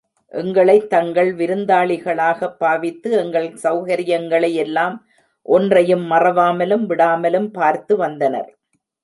எங்களைத் தங்கள் விருந்தாளிகளாகப் பாவித்து, எங்கள் சௌகரியங்களை யெல்லாம், ஒன்றையும் மறவாமலும் விடாமலும், பார்த்து வந்தனர்.